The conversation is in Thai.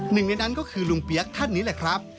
หนึ่งในนั้นก็คือลุงเปี๊ยกท่านนี้แหละครับ